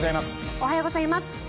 おはようございます。